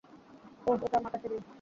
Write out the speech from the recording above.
ওহ, okay আমার কাছে দিন!